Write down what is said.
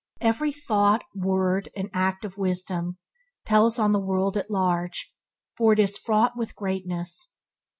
Every thought, word, and act of wisdom tells on the world at large, for it is fraught with greatness.